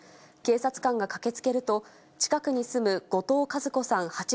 警察官が駆けつけると、近くに住む後藤和子さん